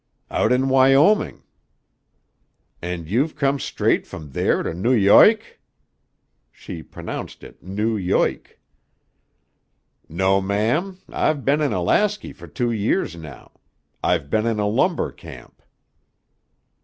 "Out in Wyoming." "And you've come straight from there to New York?" She pronounced it "Noo Yoik." "No, ma'am. I've been in Alasky for two years now. I've been in a lumber camp."